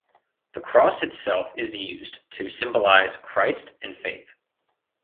The cross itself is used to symbolize Christ and faith.